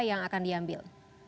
yang akan diambil